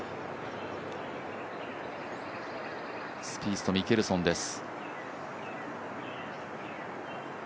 スピースとミケルソンです。